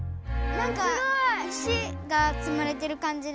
なんか石がつまれてるかんじで。